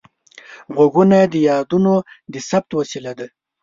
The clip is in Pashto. غوږونه د یادونو د ثبت وسیله ده